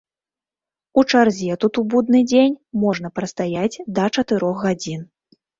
У чарзе тут у будны дзень можна прастаяць да чатырох гадзін.